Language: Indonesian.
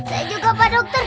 saya juga pak dokter